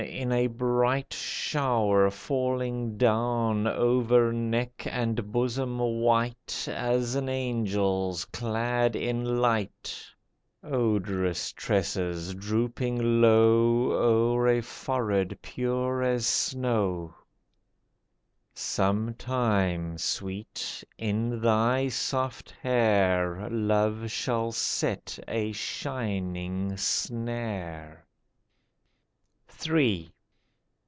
In a bright shower falling down Over neck and bosom white As an angel's clad in light — Odorous tresses drooping low O'er a forehead pure as snow, —" Some time, sweet, in thy soft hair Love shall set a shining snare !" III.